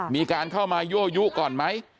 มีการเข้ามายั่วยุก่อนไหม